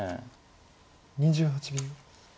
２８秒。